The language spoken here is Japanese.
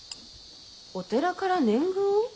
お寺から年貢を？